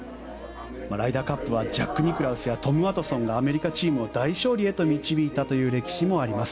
ライダーカップはジャック・ニクラウスやトム・ワトソンがアメリカチームを大勝利へと導いたという歴史もあります。